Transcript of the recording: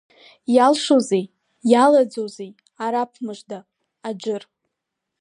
Иаалшозеи, иаалаӡозеи Араԥ мыжда, аџыр!